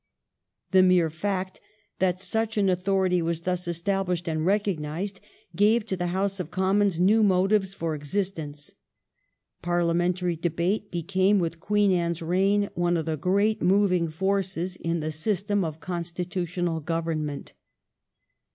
The mere fact that such an authority was thus established and recognised gave to the House of Commons new motives for existence. Parliamentary debate became with Queen Anne's reign one of the great moving forces in the system of constitutional government.